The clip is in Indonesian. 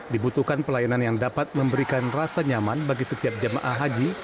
dibutuhkan pelayanan yang dapat memberikan rasa nyaman bagi setiap jemaah haji